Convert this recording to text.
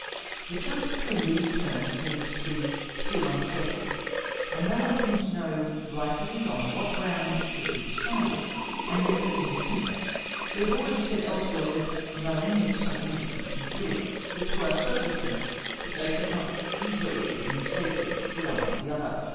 The choice between these terms seems to be still unsettled, and no one seems to know rightly on what grounds it should be decided, and yet the thing is simple. We have already said elsewhere that "knowing" is something different from "doing." The two are so different that they should not easily be mistaken the one for the other.